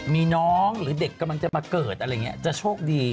มีน้องหรือเด็กกำลังจะมาเกิดจะโชคดี